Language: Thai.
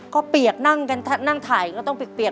ก็เปียกนั่งกันก็ต้องเปียก